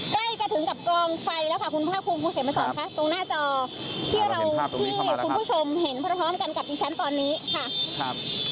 ใกล้จะถึงกับกองไฟคุณพ่อคุมเขตมันสอนค่ะตรงหน้าจอที่ผู้ชมเห็นพร้อมกับดิฉันตอนนี้ค่ะ